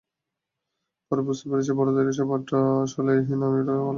পরে বুঝতে পেরেছেন, বড়দের এসব আড্ডা আসলে নামিরের ভালো লাগে না।